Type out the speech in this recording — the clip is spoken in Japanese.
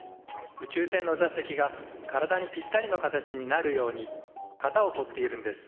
宇宙船の座席が体にぴったりの形になるように型を取っているんです。